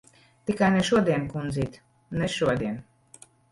Tikai ne šodien, kundzīt. Ne šodien!